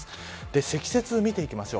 積雪を見ていきましょう。